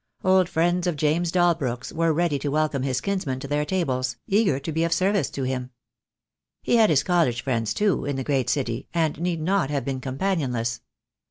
Old friends of James Dalbrook's were ready to welcome his kinsman to their tables, eager 238 THE DAY WILL COME. to be of service to him. He had his college friends, too, in the great city, and need not have gone companionless.